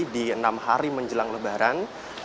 di enam hari menjelang lebaran